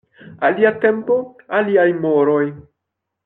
Alia tempo, aliaj moroj.